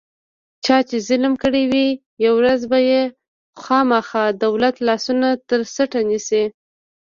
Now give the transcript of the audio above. چا چې ظلم کړی وي، یوه ورځ به یې خوامخا دولت لاسونه ترڅټ نیسي.